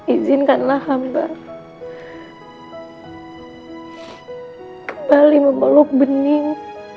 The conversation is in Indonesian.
izinkanlah hambar kembali memeluk bening